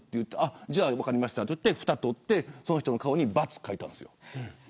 じゃあ分かりましたと言ってふたを取ってその人に顔にバツを描いたんです。